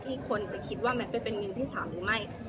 ที่คนจะคิดว่าแมทเป็นมีนที่สามหรือไม่